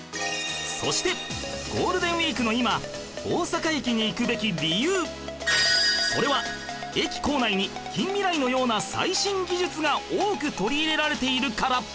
そしてそれは駅構内に近未来のような最新技術が多く取り入れられているから